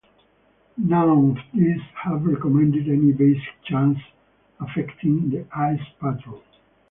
None of these have recommended any basic change affecting the Ice Patrol.